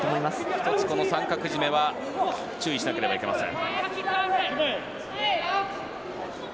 １つ、三角絞めは注意しなければいけません。